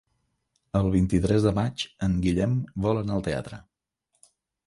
El vint-i-tres de maig en Guillem vol anar al teatre.